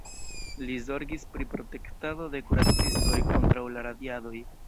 Li zorgis pri protektado de kuracistoj kontraŭ la radiadoj.